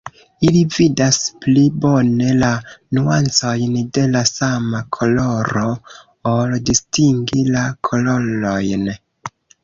Ili vidas pli bone la nuancojn de la sama koloro, ol distingi la kolorojn.